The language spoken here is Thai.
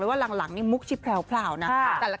คือใบเฟิร์นเขาเป็นคนที่อยู่กับใครก็ได้ค่ะแล้วก็ตลกด้วย